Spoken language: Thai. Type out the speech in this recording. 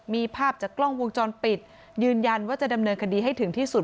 มีภาพจากกล้องวงจรปิดยืนยันว่าจะดำเนินคดีให้ถึงที่สุด